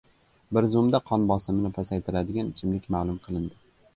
Bir zumda qon bosimini pasaytiradigan ichimlik ma’lum qilindi